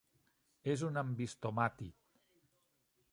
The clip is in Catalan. És un ambistomàtid.